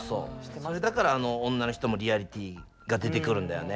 だから女の人もリアリティーが出てくるんだよね。